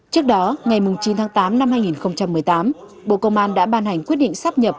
trước đó ngày chín tháng tám năm hai nghìn một mươi tám bộ công an đã ban hành quyết định sắp nhập